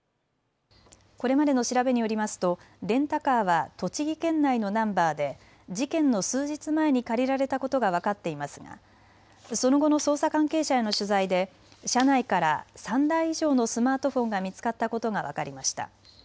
これまでの調べによりますとレンタカーは栃木県内のナンバーで事件の数日前に借りられたことが分かっていますがその後の捜査関係者への取材で車内から３台以上のスマートフォンが見つかったことが分かりました。